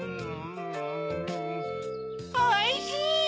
おいしい！